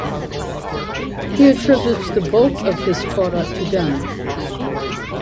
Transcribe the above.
He attributes the bulk of his Torah to them.